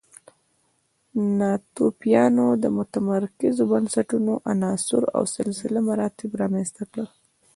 ناتوفیانو د متمرکزو بنسټونو عناصر او سلسله مراتب رامنځته کړل